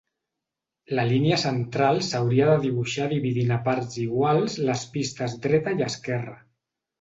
La línia central s'hauria de dibuixar dividint a parts iguals les pistes dreta i esquerra.